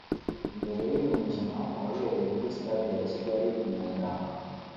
Mbere y’uyu mukino wabereye kuri stade ya Kigali i Nyamirambo